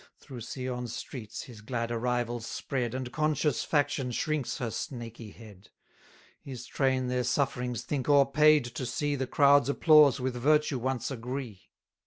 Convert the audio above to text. Through Sion's streets his glad arrival's spread, And conscious faction shrinks her snaky head; His train their sufferings think o'erpaid to see The crowd's applause with virtue once agree.